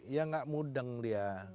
ya gak mudeng dia